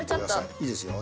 いいですよ